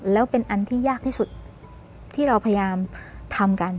แล้วเป็นอันที่ยากที่สุดที่เราพยายามทำกัน